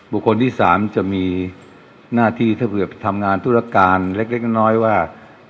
บุคคลที่๓จะมีหน้าที่ถ้าเผื่อทำงานธุรการเล็กน้อยว่า